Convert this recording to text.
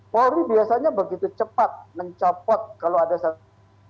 polri biasanya begitu cepat mencopot kalau ada satu